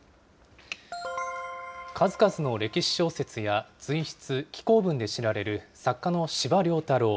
数々の歴史小説や随筆、紀行文で知られる作家の司馬遼太郎。